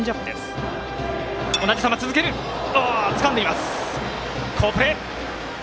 高陽、つかんでいます、好プレー。